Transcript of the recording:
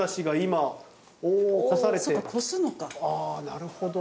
なるほど。